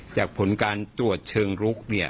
ผลการตรวจเชิงลุก